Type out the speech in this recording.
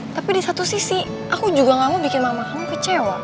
tapi di satu sisi aku juga gak mau bikin mama kamu kecewa